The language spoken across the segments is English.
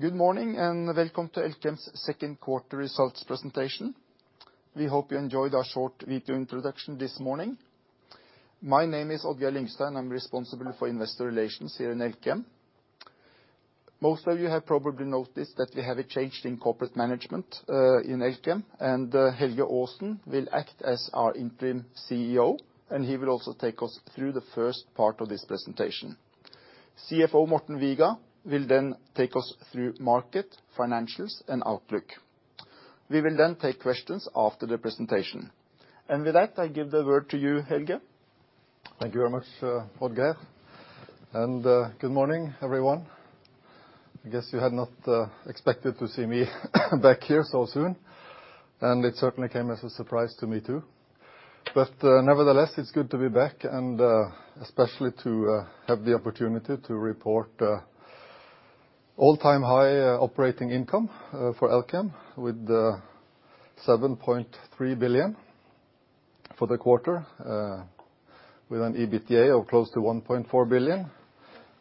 Good morning, welcome to Elkem's second quarter results presentation. We hope you enjoyed our short video introduction this morning. My name is Odd-Geir Lyngstad, and I'm responsible for investor relations here in Elkem. Most of you have probably noticed that we have a change in corporate management, in Elkem, and Helge Aasen will act as our Interim CEO, and he will also take us through the first part of this presentation. CFO Morten Viga will take us through market, financials, and outlook. We will take questions after the presentation. With that, I give the word to you, Helge. Thank you very much, Odd-Geir. Good morning, everyone. I guess you had not expected to see me back here so soon, and it certainly came as a surprise to me, too. Nevertheless, it's good to be back, and especially to have the opportunity to report all-time high operating income for Elkem with 7.3 billion for the quarter, with an EBITDA of close to 1.4 billion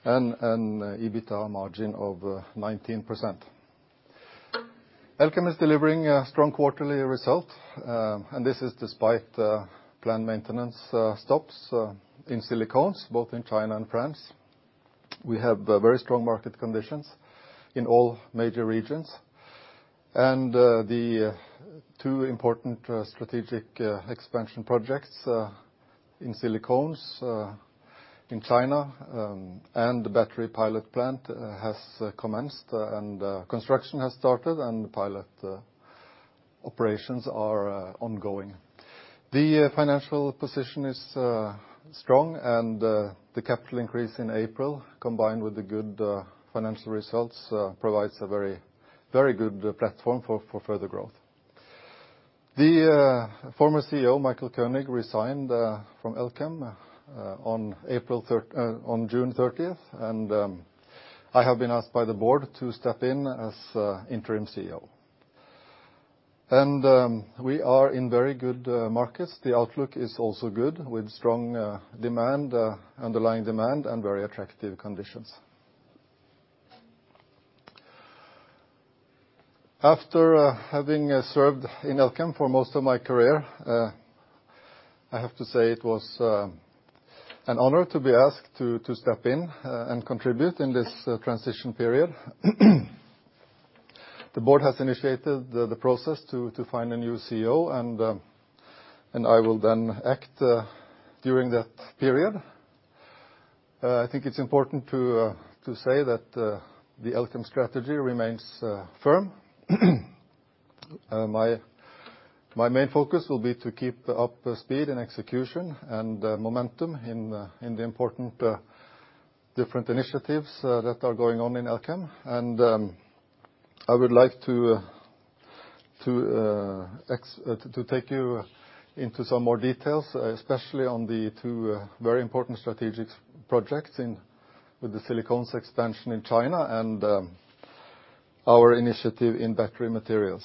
and an EBITDA margin of 19%. Elkem is delivering a strong quarterly result, and this is despite planned maintenance stops in silicones, both in China and France. We have very strong market conditions in all major regions. The two important strategic expansion projects in silicones in China and the battery pilot plant has commenced, and construction has started and the pilot operations are ongoing. The financial position is strong and the capital increase in April, combined with the good financial results, provides a very good platform for further growth. The former CEO, Michael Koenig, resigned from Elkem on June 30th, and I have been asked by the board to step in as interim CEO. We are in very good markets. The outlook is also good, with strong underlying demand, and very attractive conditions. After having served in Elkem for most of my career, I have to say it was an honor to be asked to step in and contribute in this transition period. The board has initiated the process to find a new CEO, and I will then act during that period. I think it's important to say that the Elkem strategy remains firm. My main focus will be to keep the up speed and execution and momentum in the important different initiatives that are going on in Elkem. I would like to take you into some more details, especially on the two very important strategic projects with the Silicones expansion in China and our initiative in battery materials.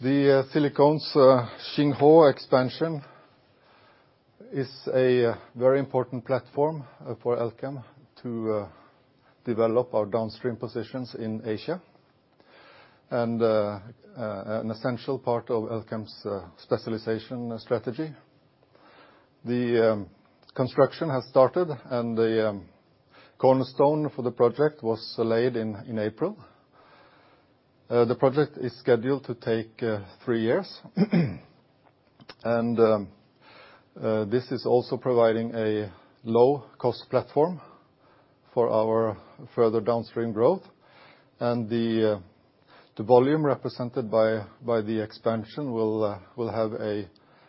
The Silicones Xinghuo expansion is a very important platform for Elkem to develop our downstream positions in Asia and an essential part of Elkem's specialization strategy. The construction has started, and the cornerstone for the project was laid in April. The project is scheduled to take three years. This is also providing a low-cost platform for our further downstream growth. The volume represented by the expansion will have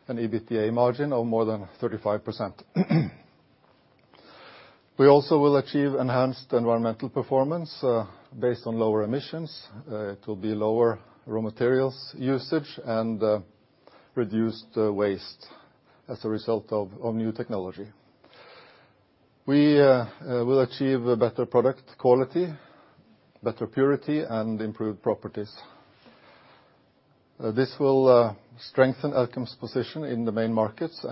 an EBITDA margin of more than 35%. We also will achieve enhanced environmental performance based on lower emissions. It will be lower raw materials usage and reduced waste as a result of new technology. We will achieve better product quality, better purity, and improved properties. This will strengthen Elkem's position in the main markets,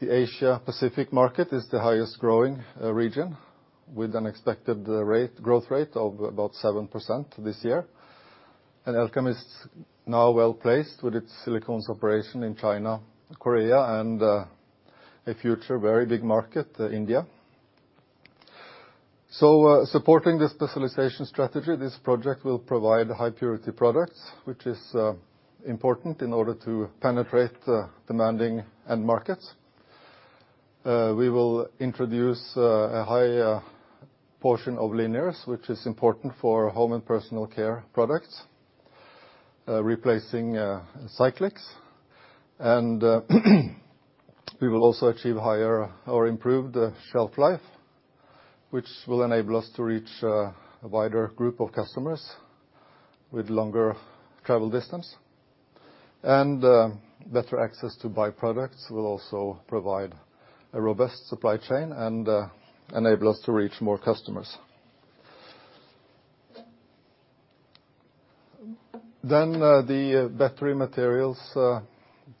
the Asia Pacific market is the highest growing region, with an expected growth rate of about 7% this year. Elkem is now well-placed with its silicones operation in China, Korea, and a future very big market, India. Supporting the specialization strategy, this project will provide high purity products, which is important in order to penetrate demanding end markets. We will introduce a high portion of linears, which is important for home and personal care products, replacing cyclics. We will also achieve higher or improved shelf life, which will enable us to reach a wider group of customers with longer travel distance. Better access to byproducts will also provide a robust supply chain and enable us to reach more customers. The battery materials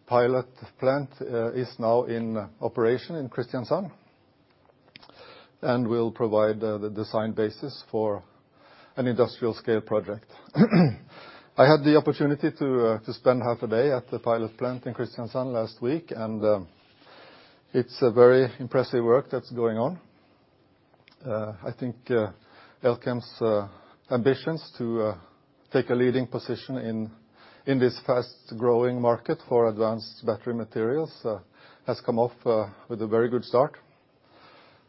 pilot plant is now in operation in Kristiansand, and will provide the design basis for an industrial scale project. I had the opportunity to spend half a day at the pilot plant in Kristiansand last week, and it's a very impressive work that's going on. I think Elkem's ambitions to take a leading position in this fast-growing market for advanced battery materials has come off with a very good start.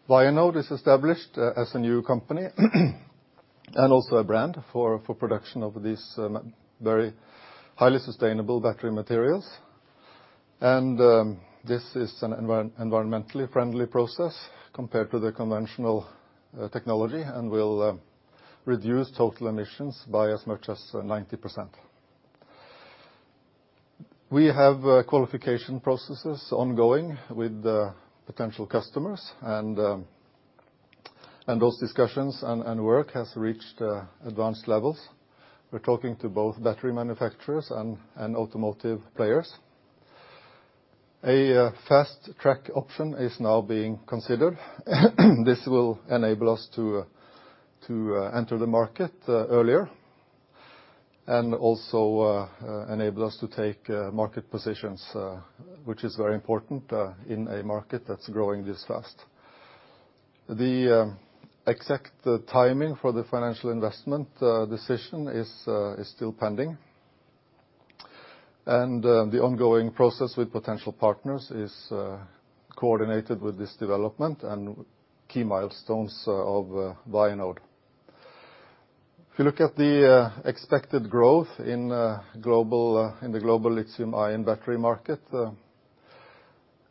Vianode is established as a new company and also a brand for production of these very highly sustainable battery materials. This is an environmentally friendly process compared to the conventional technology and will reduce total emissions by as much as 90%. We have qualification processes ongoing with potential customers, and those discussions and work has reached advanced levels. We're talking to both battery manufacturers and automotive players. A fast-track option is now being considered. This will enable us to enter the market earlier and also enable us to take market positions, which is very important in a market that's growing this fast. The exact timing for the financial investment decision is still pending, and the ongoing process with potential partners is coordinated with this development and key milestones of Vianode. If you look at the expected growth in the global lithium-ion battery market,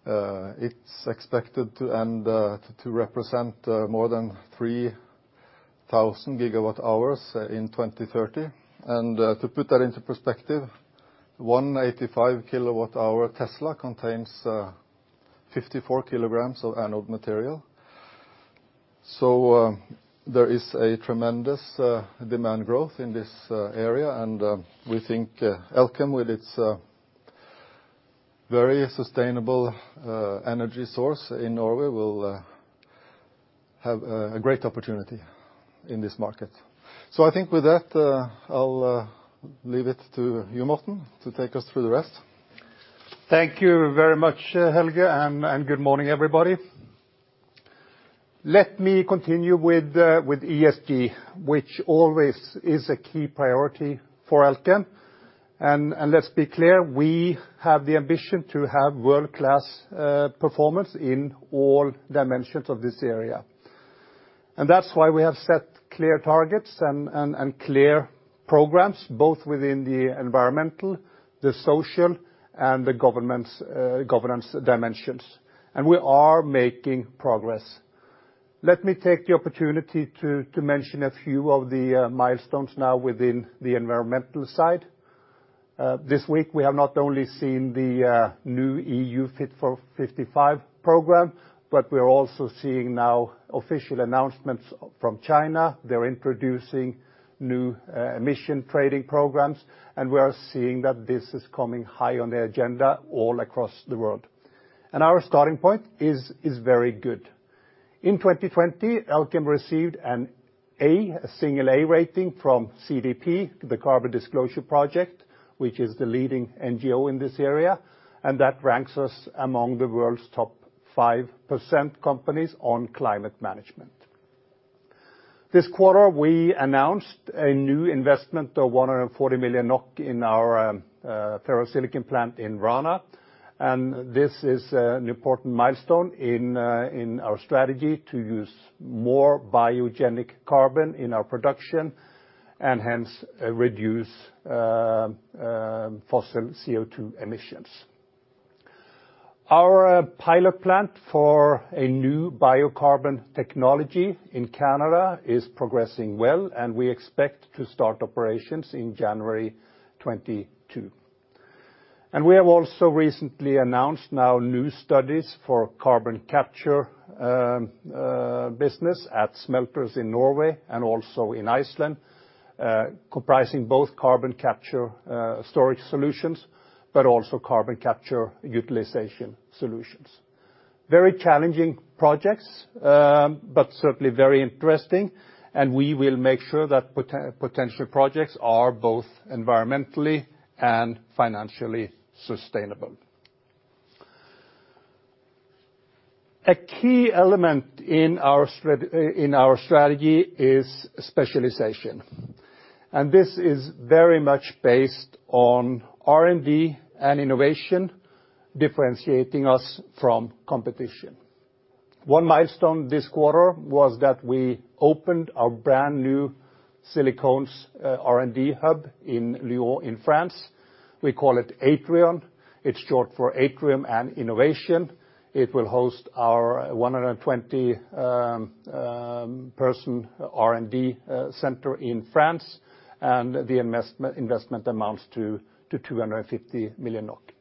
it's expected to end to represent more than 3,000 GWh in 2030. To put that into perspective, 185 kWh Tesla contains 54 kg of anode material. There is a tremendous demand growth in this area. We think Elkem, with its very sustainable energy source in Norway, will have a great opportunity in this market. I think with that, I'll leave it to you, Morten, to take us through the rest. Thank you very much, Helge, and good morning, everybody. Let me continue with ESG, which always is a key priority for Elkem. Let's be clear, we have the ambition to have world-class performance in all dimensions of this area. That's why we have set clear targets and clear programs, both within the environmental, the social, and the governance dimensions. We are making progress. Let me take the opportunity to mention a few of the milestones now within the environmental side. This week, we have not only seen the new EU Fit for 55 program, but we are also seeing now official announcements from China. They're introducing new emission trading programs, and we are seeing that this is coming high on the agenda all across the world. Our starting point is very good. In 2020, Elkem received an A, a single A rating from CDP, the Carbon Disclosure Project, which is the leading NGO in this area. That ranks us among the world's top 5% companies on climate management. This quarter, we announced a new investment of 140 million NOK in our ferrosilicon plant in Rana. This is an important milestone in our strategy to use more biogenic carbon in our production and hence reduce fossil CO2 emissions. Our pilot plant for a new biocarbon technology in Canada is progressing well. We expect to start operations in January 2022. We have also recently announced now new studies for carbon capture business at smelters in Norway and also in Iceland, comprising both carbon capture storage solutions, but also carbon capture utilization solutions. Very challenging projects, but certainly very interesting, and we will make sure that potential projects are both environmentally and financially sustainable. A key element in our strategy is specialization, and this is very much based on R&D and innovation, differentiating us from competition. One milestone this quarter was that we opened our brand new Silicones R&D hub in Lyon in France. We call it ATRiON. It's short for Atrium and Innovation. It will host our 120-person R&D center in France, and the investment amounts to 250 million NOK.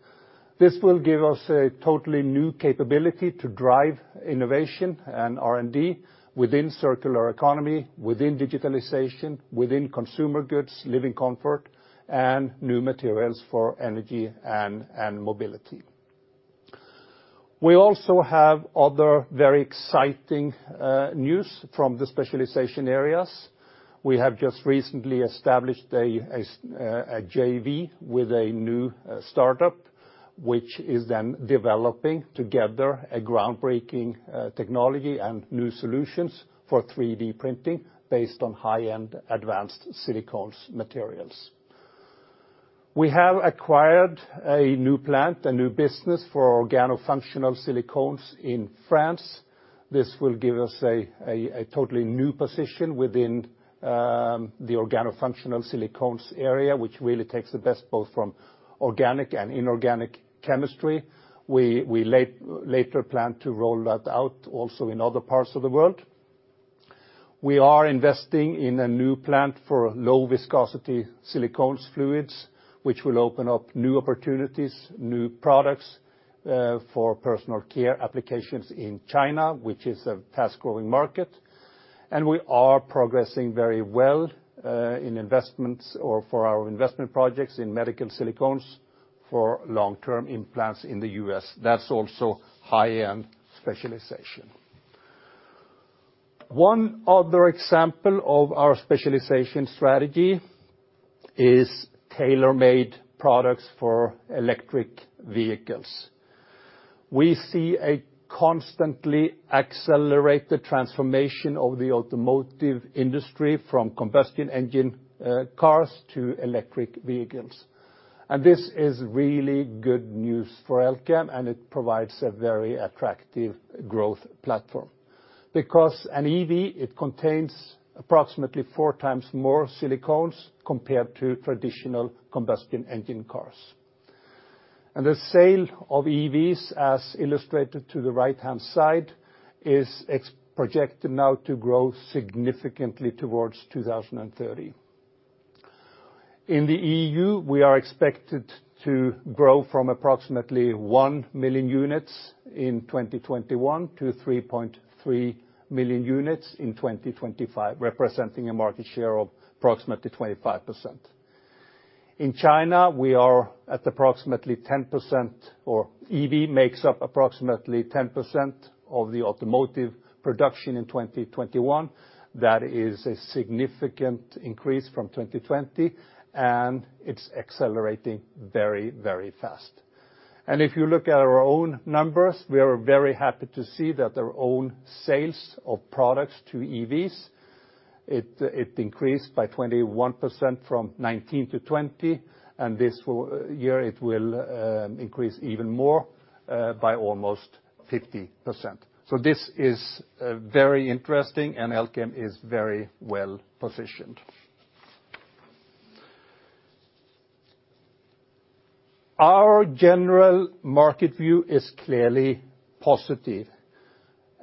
This will give us a totally new capability to drive innovation and R&D within circular economy, within digitalization, within consumer goods, living comfort, and new materials for energy and mobility. We also have other very exciting news from the specialization areas. We have just recently established a JV with a new startup, which is then developing together a groundbreaking technology and new solutions for 3D printing based on high-end advanced silicones materials. We have acquired a new plant, a new business for organofunctional silicones in France. This will give us a totally new position within the organofunctional silicones area, which really takes the best both from organic and inorganic chemistry. We later plan to roll that out also in other parts of the world. We are investing in a new plant for low viscosity silicones fluids, which will open up new opportunities, new products for personal care applications in China, which is a fast-growing market. We are progressing very well in investments, or for our investment projects in medical silicones for long-term implants in the U.S. That's also high-end specialization. One other example of our specialization strategy is tailor-made products for electric vehicles. We see a constantly accelerated transformation of the automotive industry from combustion engine cars to electric vehicles. This is really good news for Elkem, and it provides a very attractive growth platform, because an EV, it contains approximately 4x more silicones compared to traditional combustion engine cars. The sale of EVs, as illustrated to the right-hand side, is projected now to grow significantly towards 2030. In the EU, we are expected to grow from approximately 1 million units in 2021 to 3.3 million units in 2025, representing a market share of approximately 25%. In China, we are at approximately 10%, or EV makes up approximately 10% of the automotive production in 2021. That is a significant increase from 2020, and it's accelerating very fast. If you look at our own numbers, we are very happy to see that our own sales of products to EVs, it increased by 21% from 2019 to 2020, and this year it will increase even more, by almost 50%. This is very interesting, and Elkem is very well-positioned. Our general market view is clearly positive,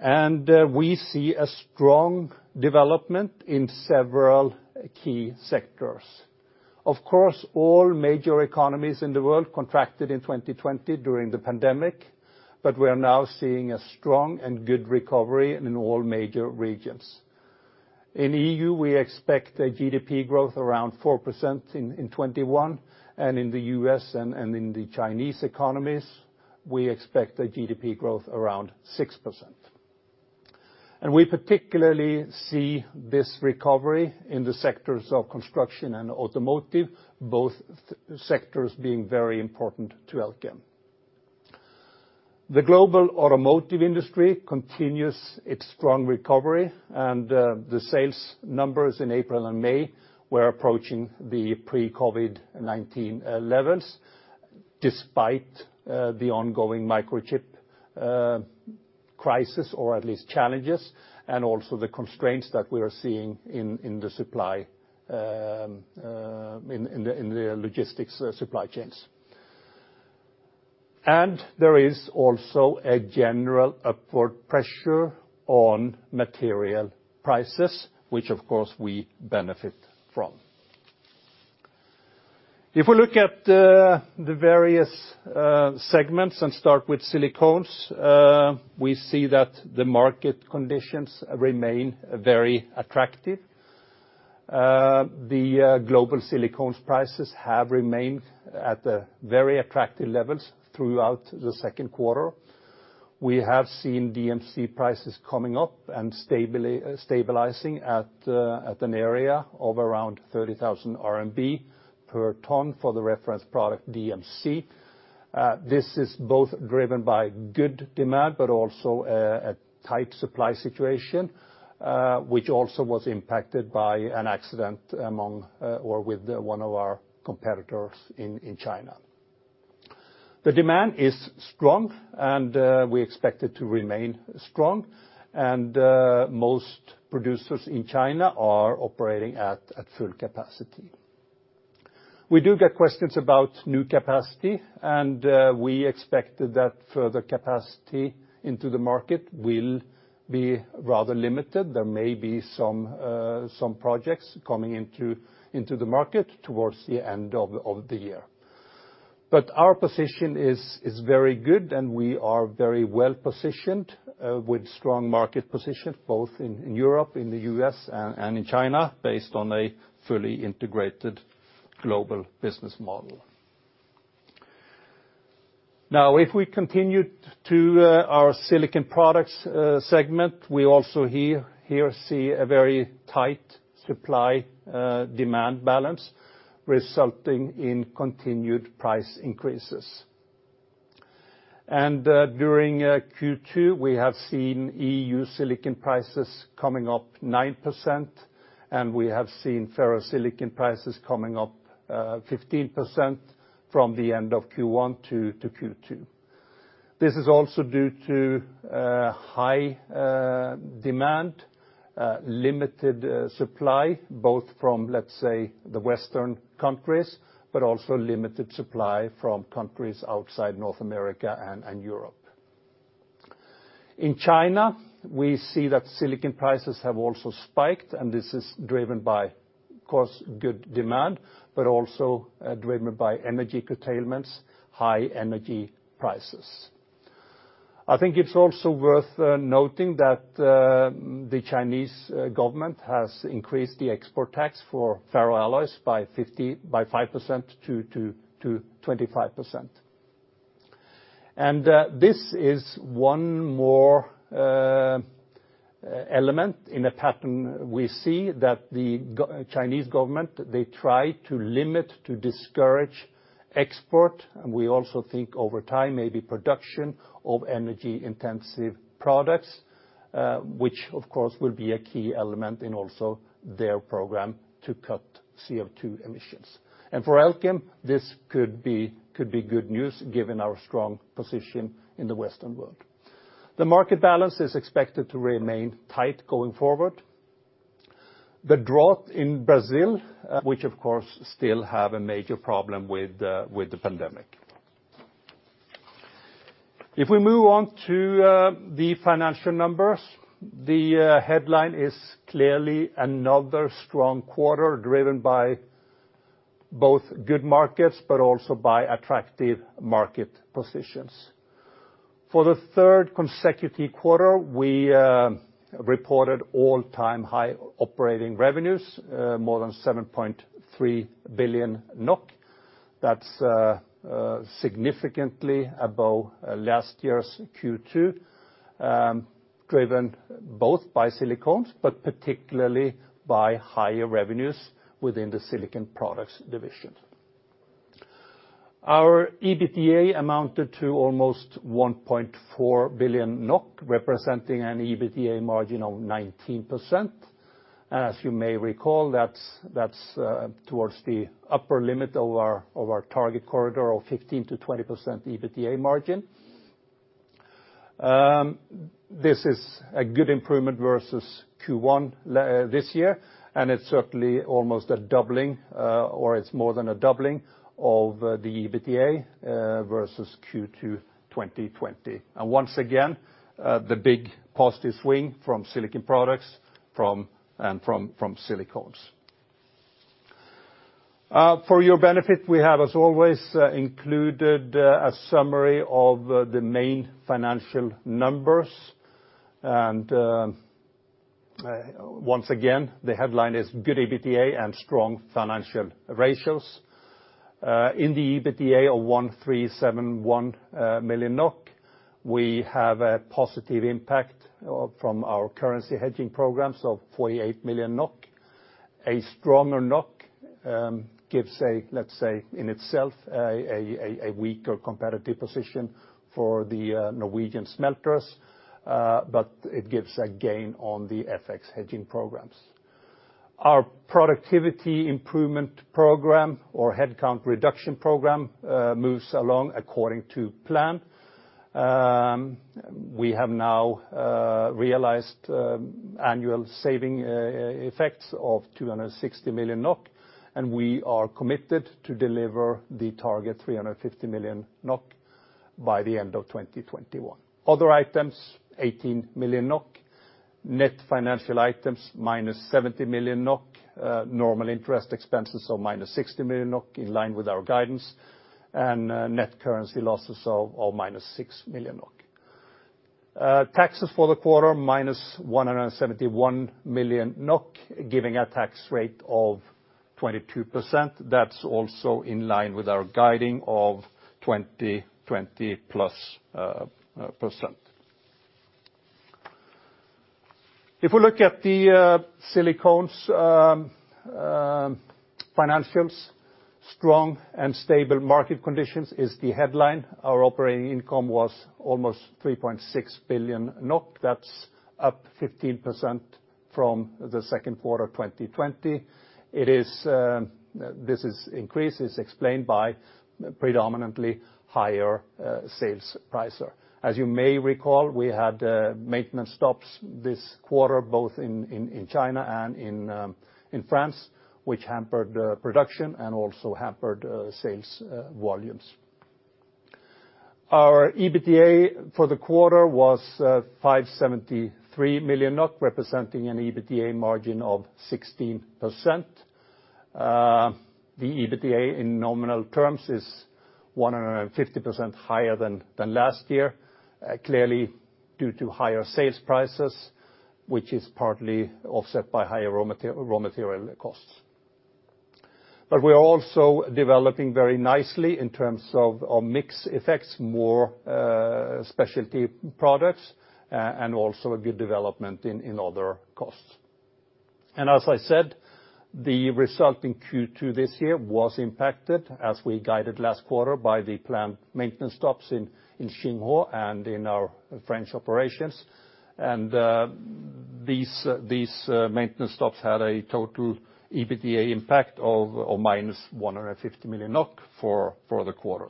and we see a strong development in several key sectors. Of course, all major economies in the world contracted in 2020 during the pandemic, but we are now seeing a strong and good recovery in all major regions. In EU, we expect a GDP growth around 4% in 2021, and in the U.S., and in the Chinese economies, we expect a GDP growth around 6%. We particularly see this recovery in the sectors of construction and automotive, both sectors being very important to Elkem. The global automotive industry continues its strong recovery, and the sales numbers in April and May were approaching the pre-COVID-19 levels despite the ongoing microchip crisis, or at least challenges, and also the constraints that we are seeing in the logistics supply chains. There is also a general upward pressure on material prices, which of course we benefit from. If we look at the various segments and start with Silicones, we see that the market conditions remain very attractive. The global Silicones prices have remained at very attractive levels throughout the second quarter. We have seen DMC prices coming up and stabilizing at an area of around 30,000 RMB/ton for the reference product DMC. This is both driven by good demand, but also a tight supply situation, which also was impacted by an accident with one of our competitors in China. The demand is strong, and we expect it to remain strong. Most producers in China are operating at full capacity. We do get questions about new capacity, and we expect that further capacity into the market will be rather limited. There may be some projects coming into the market towards the end of the year. Our position is very good, and we are very well-positioned with strong market position, both in Europe, in the U.S., and in China, based on a fully integrated global business model. Now, if we continue to our Silicon Products segment, we also here see a very tight supply-demand balance, resulting in continued price increases. During Q2, we have seen EU silicon prices coming up 9%, and we have seen ferrosilicon prices coming up 15% from the end of Q1 to Q2. This is also due to high demand, limited supply, both from the Western countries, but also limited supply from countries outside North America and Europe. In China, we see that silicon prices have also spiked. This is driven by, of course, good demand, but also driven by energy curtailments, high energy prices. I think it's also worth noting that the Chinese government has increased the export tax for ferroalloys by 5% to 25%. This is one more element in a pattern we see that the Chinese government, they try to limit, to discourage export. We also think over time, maybe production of energy-intensive products, which, of course, will be a key element in also their program to cut CO2 emissions. For Elkem, this could be good news given our strong position in the Western world. The market balance is expected to remain tight going forward. The drought in Brazil, which of course still have a major problem with the pandemic. If we move on to the financial numbers, the headline is clearly another strong quarter driven by both good markets, but also by attractive market positions. For the third consecutive quarter, we reported all-time high operating revenues, more than 7.3 billion NOK. That's significantly above last year's Q2, driven both by Silicones, but particularly by higher revenues within the Silicon Products division. Our EBITDA amounted to almost 1.4 billion NOK, representing an EBITDA margin of 19%. As you may recall, that's towards the upper limit of our target corridor of 15%-20% EBITDA margin. This is a good improvement versus Q1 this year. It's certainly almost a doubling, or it's more than a doubling of the EBITDA versus Q2 2020. Once again, the big positive swing from Silicon Products and from Silicones. For your benefit, we have, as always, included a summary of the main financial numbers. Once again, the headline is good EBITDA and strong financial ratios. In the EBITDA of 1,371 million NOK, we have a positive impact from our currency hedging programs of 48 million NOK. A stronger NOK gives, let's say, in itself, a weaker competitive position for the Norwegian smelters, but it gives a gain on the FX hedging programs. Our productivity improvement program or headcount reduction program moves along according to plan. We have now realized annual saving effects of 260 million NOK, and we are committed to deliver the target 350 million NOK by the end of 2021. Other items, 18 million NOK. Net financial items, -70 million NOK. Normal interest expenses of -60 million NOK, in line with our guidance. Net currency losses of -6 million NOK. Taxes for the quarter, -171 million NOK, giving a tax rate of 22%. That's also in line with our guiding of 20%, 20%+. We look at the Silicones financials, strong and stable market conditions is the headline. Our operating income was almost 3.6 billion NOK. That's up 15% from the second quarter of 2020. This increase is explained by predominantly higher sales prices. You may recall, we had maintenance stops this quarter, both in China and in France, which hampered production and also hampered sales volumes. Our EBITDA for the quarter was 573 million, representing an EBITDA margin of 16%. The EBITDA in nominal terms is 150% higher than last year, clearly due to higher sales prices, which is partly offset by higher raw material costs. We are also developing very nicely in terms of our mix effects, more specialty products, and also a good development in other costs. As I said, the result in Q2 this year was impacted, as we guided last quarter, by the plant maintenance stops in Xinghuo and in our French operations. These maintenance stops had a total EBITDA impact of -150 million NOK for the quarter.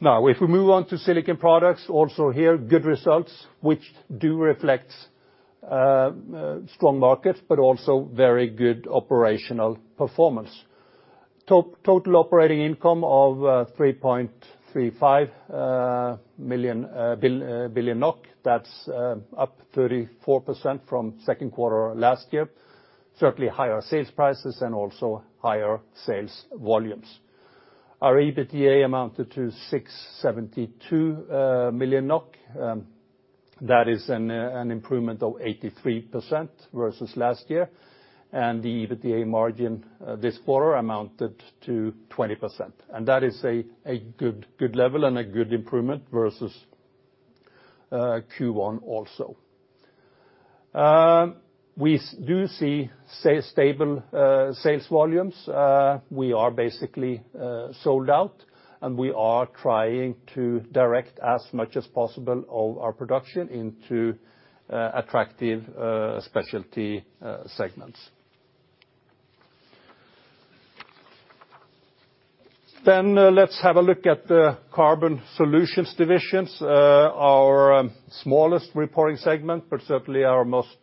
If we move on to Silicon Products, also here, good results, which do reflect strong markets, but also very good operational performance. Total operating income of 3.35 billion NOK. That's up 34% from second quarter last year. Certainly higher sales prices and also higher sales volumes. Our EBITDA amounted to 672 million NOK. That is an improvement of 83% versus last year. The EBITDA margin this quarter amounted to 20%. That is a good level and a good improvement versus Q1 also. We do see stable sales volumes. We are basically sold out, and we are trying to direct as much as possible of our production into attractive specialty segments. Let's have a look at the Carbon Solutions division, our smallest reporting segment, but certainly our most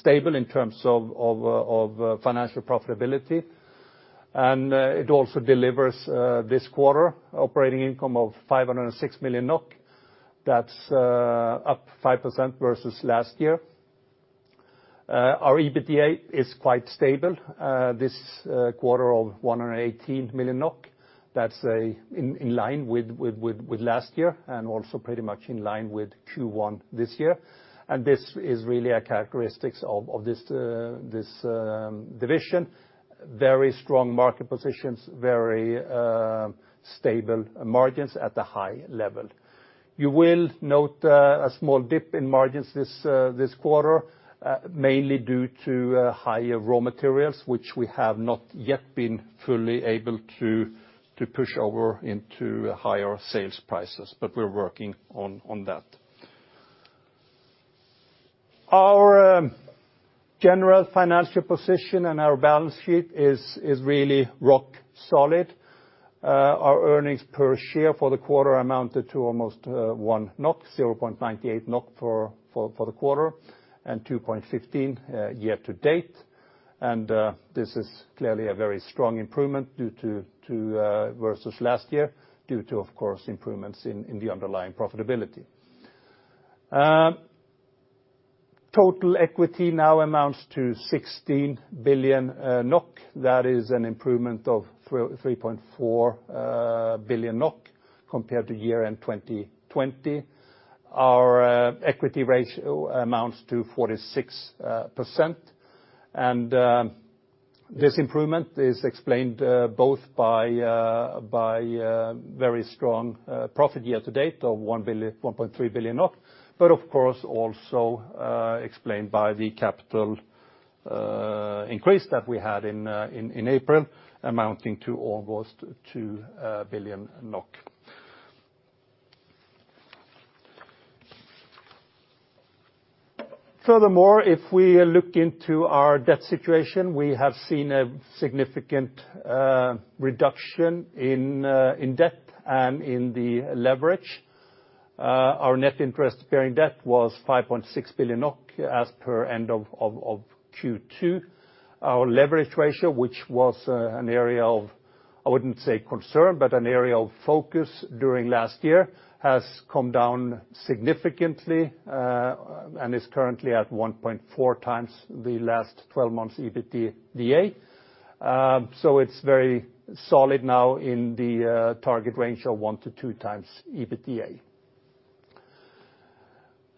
stable in terms of financial profitability. It also delivers this quarter operating income of 506 million NOK. That's up 5% versus last year. Our EBITDA is quite stable this quarter of 118 million NOK. That's in line with last year and also pretty much in line with Q1 this year. This is really a characteristic of this division. Very strong market positions, very stable margins at a high level. You will note a small dip in margins this quarter, mainly due to higher raw materials, which we have not yet been fully able to push over into higher sales prices, but we're working on that. Our general financial position and our balance sheet is really rock solid. Our earnings per share for the quarter amounted to almost 1 NOK, 0.98 NOK for the quarter and 2.15 year-to-date. This is clearly a very strong improvement versus last year, due to, of course, improvements in the underlying profitability. Total equity now amounts to 16 billion NOK. That is an improvement of 3.4 billion NOK compared to year-end 2020. Our equity ratio amounts to 46%. This improvement is explained both by very strong profit year-to-date of 1.3 billion. Of course also explained by the capital increase that we had in April, amounting to almost 2 billion NOK. If we look into our debt situation, we have seen a significant reduction in debt and in the leverage. Our net interest bearing debt was 5.6 billion NOK as per end of Q2. Our leverage ratio, which was an area of, I wouldn't say concern, but an area of focus during last year, has come down significantly. Is currently at 1.4x the last 12 months EBITDA. It's very solid now in the target range of 1x-2x EBITDA.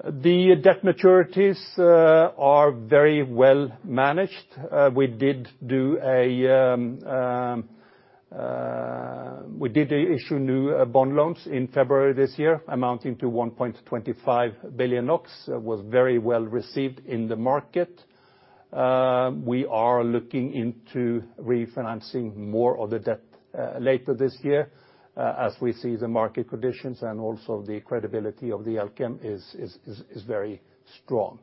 The debt maturities are very well managed. We did issue new bond loans in February this year amounting to 1.25 billion NOK. It was very well received in the market. We are looking into refinancing more of the debt later this year as we see the market conditions and also the credibility of Elkem is very strong.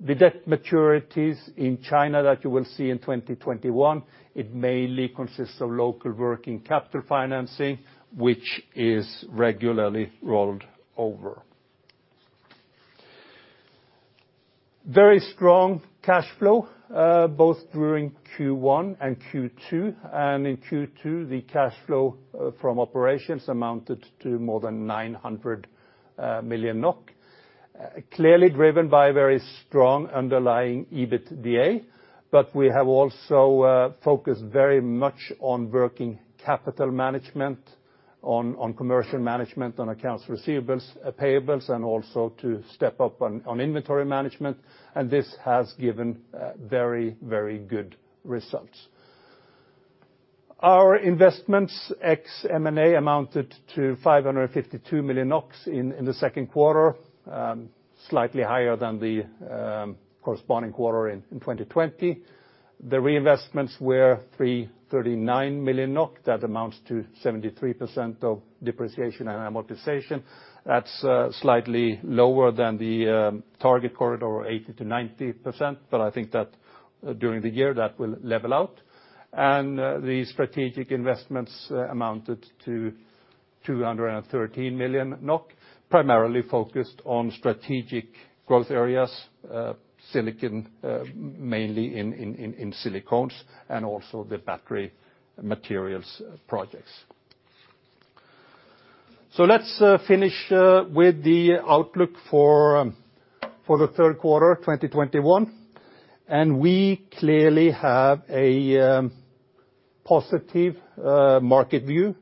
The debt maturities in China that you will see in 2021, it mainly consists of local working capital financing, which is regularly rolled over. Very strong cash flow, both during Q1 and Q2. In Q2, the cash flow from operations amounted to more than 900 million NOK, clearly driven by very strong underlying EBITDA. We have also focused very much on working capital management, on commercial management, on accounts receivables, payables, and also to step up on inventory management, and this has given very good results. Our investments, ex M&A, amounted to 552 million NOK in the second quarter, slightly higher than the corresponding quarter in 2020. The reinvestments were 339 million NOK. That amounts to 73% of depreciation and amortization. That's slightly lower than the target corridor, 80%-90%, but I think that during the year, that will level out. The strategic investments amounted to 213 million NOK, primarily focused on strategic growth areas, mainly in Silicones and also the battery materials projects. Let's finish with the outlook for the third quarter of 2021. We clearly have a positive market view,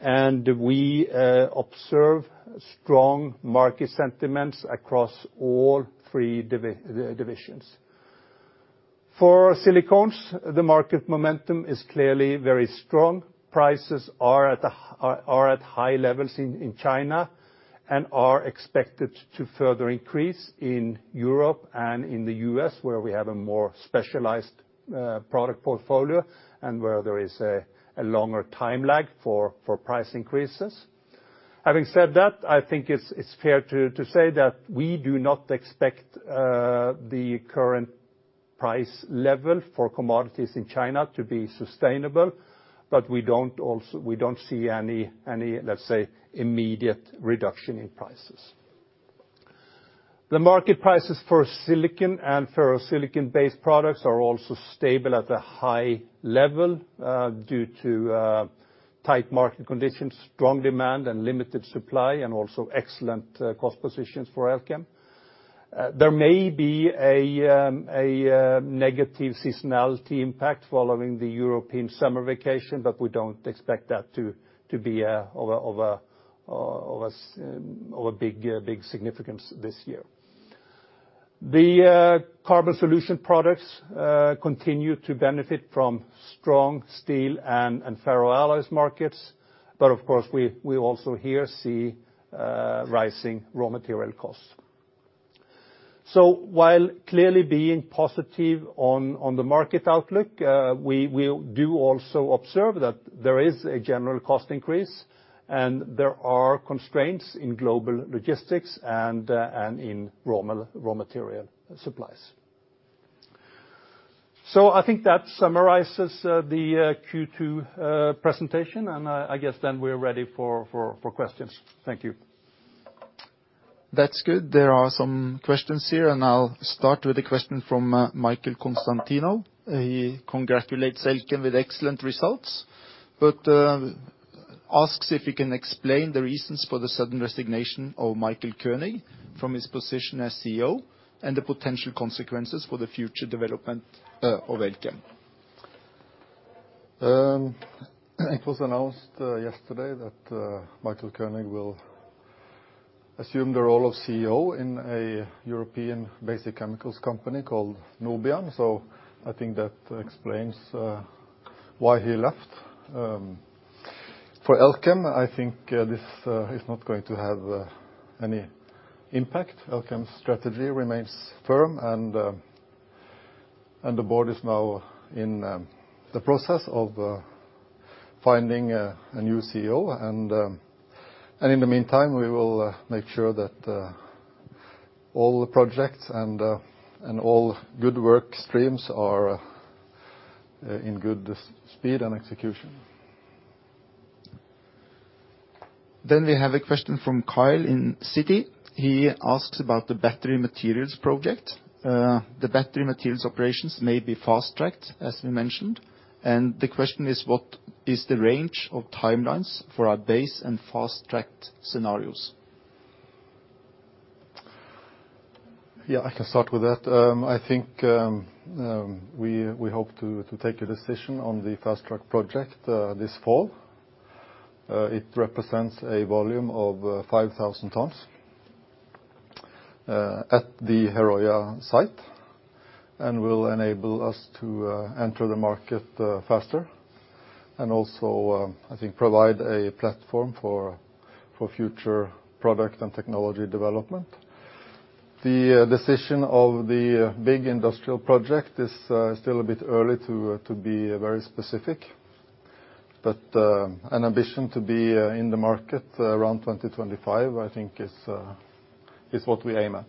and we observe strong market sentiments across all three divisions. For Silicones, the market momentum is clearly very strong. Prices are at high levels in China and are expected to further increase in Europe and in the U.S., where we have a more specialized product portfolio and where there is a longer time lag for price increases. Having said that, I think it is fair to say that we do not expect the current price level for commodities in China to be sustainable. We do not see any, let's say, immediate reduction in prices. The market prices for silicon and ferrosilicon-based products are also stable at a high level due to tight market conditions, strong demand, and limited supply and also excellent cost positions for Elkem. There may be a negative seasonality impact following the European summer vacation. We do not expect that to be of a big significance this year. The carbon solution products continue to benefit from strong steel and ferroalloy markets. Of course, we also here see rising raw material costs. While clearly being positive on the market outlook, we do also observe that there is a general cost increase and there are constraints in global logistics and in raw material supplies. I think that summarizes the Q2 presentation, and I guess then we're ready for questions. Thank you. That's good. There are some questions here. I'll start with a question from Michael Constantino. He congratulates Elkem with excellent results, but asks if you can explain the reasons for the sudden resignation of Michael Koenig from his position as CEO and the potential consequences for the future development of Elkem. It was announced yesterday that Michael Koenig will assume the role of CEO in a European basic chemicals company called Nobian. I think that explains why he left. For Elkem, I think this is not going to have any impact. Elkem's strategy remains firm, and the board is now in the process of finding a new CEO. In the meantime, we will make sure that all the projects and all good work streams are in good speed and execution. We have a question from Kyle in Citi. He asks about the battery materials project. The battery materials operations may be fast-tracked, as we mentioned, and the question is, what is the range of timelines for our base and fast-tracked scenarios? Yeah, I can start with that. I think we hope to take a decision on the fast-track project this fall. It represents a volume of 5,000 tons at the Herøya site and will enable us to enter the market faster and also, I think, provide a platform for future product and technology development. The decision of the big industrial project is still a bit early to be very specific. An ambition to be in the market around 2025, I think is what we aim at.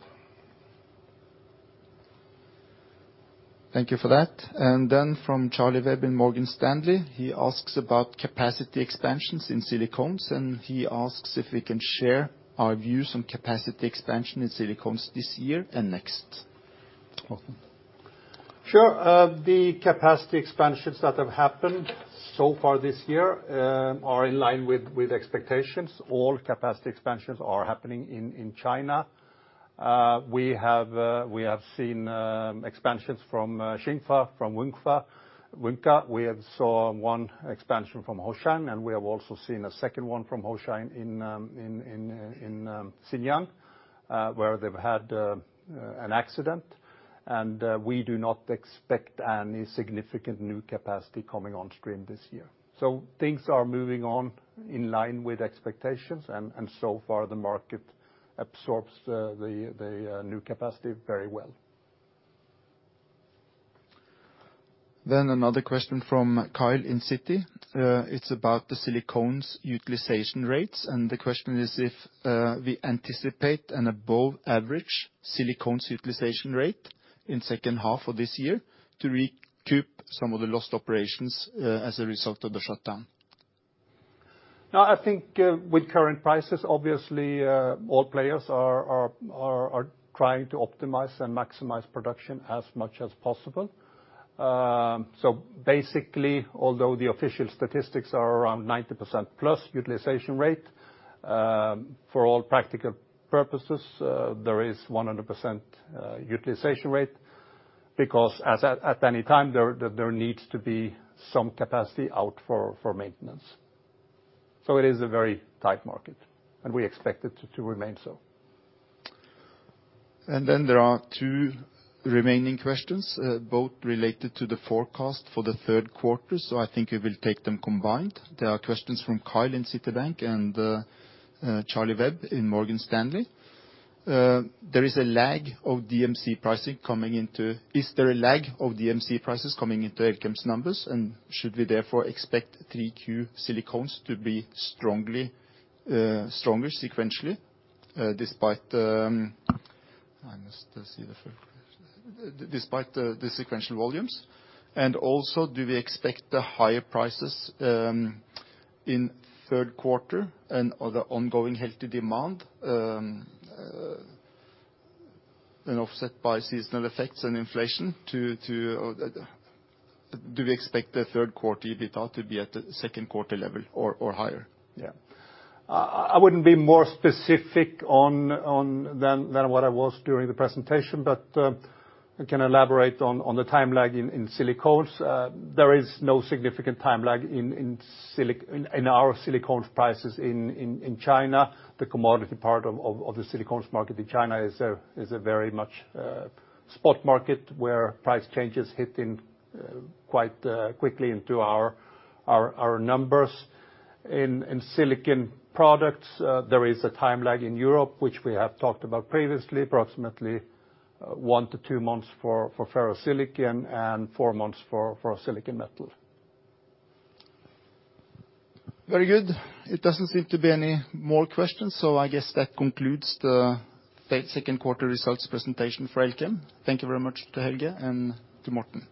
Thank you for that. From Charlie Webb in Morgan Stanley, he asks about capacity expansions in Silicones, and he asks if we can share our views on capacity expansion in Silicones this year and next. Morten? Sure. The capacity expansions that have happened so far this year are in line with expectations. All capacity expansions are happening in China. We have seen expansions from Xingfa, from WACKER. We saw one expansion from Hoshine, and we have also seen a second one from Hoshine in Xinjiang, where they've had an accident. We do not expect any significant new capacity coming on stream this year. Things are moving on in line with expectations, and so far the market absorbs the new capacity very well. Another question from Kyle in Citi. It's about the Silicones utilization rates, and the question is if we anticipate an above-average Silicones utilization rate in second half of this year to recoup some of the lost operations as a result of the shutdown. No, I think with current prices, obviously, all players are trying to optimize and maximize production as much as possible. Basically, although the official statistics are around 90%+ utilization rate, for all practical purposes, there is 100% utilization rate. Because at any time, there needs to be some capacity out for maintenance. It is a very tight market, and we expect it to remain so. Then there are two remaining questions, both related to the forecast for the third quarter. I think we will take them combined. There are questions from Kyle in Citi and Charlie Webb in Morgan Stanley. Is there a lag of DMC prices coming into Elkem's numbers? Should we therefore expect 3Q Silicones to be stronger sequentially despite the sequential volumes? Do we expect the higher prices in third quarter and other ongoing healthy demand and offset by seasonal effects and inflation Do we expect the third quarter EBITDA to be at the second quarter level or higher? Yeah. I wouldn't be more specific on than what I was during the presentation, but I can elaborate on the time lag in Silicones. There is no significant time lag in our Silicones prices in China. The commodity part of the Silicones market in China is a very much spot market, where price changes hit in quite quickly into our numbers. In Silicon Products, there is a time lag in Europe, which we have talked about previously, approximately one to two months for ferrosilicon and four months for silicon metal. Very good. It doesn't seem to be any more questions, so I guess that concludes the second quarter results presentation for Elkem. Thank you very much to Helge and to Morten.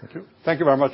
Thank you. Thank you very much.